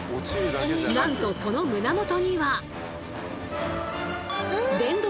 なんとその胸元には。